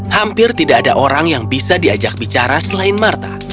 hampir tidak ada orang yang bisa diajak bicara selain marta